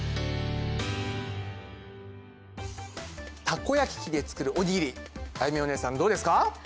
たこ焼き器で作るおにぎりあゆみおねえさんどうですか？